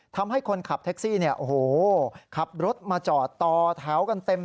ทำให้คนขับแท็กซี่ขับรถมาจอดต่อแถวกันเต็ม